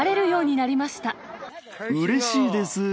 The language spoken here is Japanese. うれしいです。